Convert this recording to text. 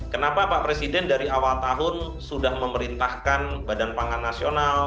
kenapa pak presiden dari awal tahun sudah memerintahkan badan pangan nasional